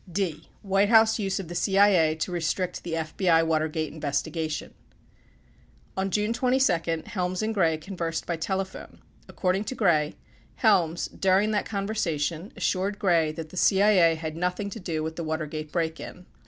23 D. White House Use oe the CIA To Restrict the FBI Watergate Investigation On June 22, Helms and Gray conversed by telephone. According to Gray, Helms, during that conversation, assured Gray that the CIA had nothing to do with the Watergate break in.